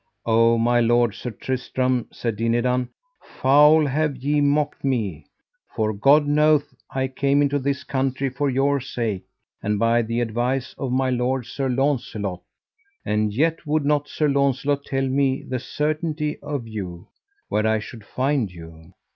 O my lord Sir Tristram, said Dinadan, foul have ye mocked me, for God knoweth I came into this country for your sake, and by the advice of my lord Sir Launcelot; and yet would not Sir Launcelot tell me the certainty of you, where I should find you.